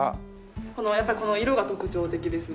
やっぱりこの色が特徴的ですね。